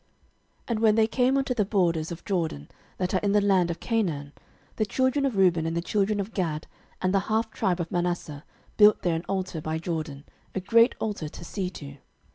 06:022:010 And when they came unto the borders of Jordan, that are in the land of Canaan, the children of Reuben and the children of Gad and the half tribe of Manasseh built there an altar by Jordan, a great altar to see to.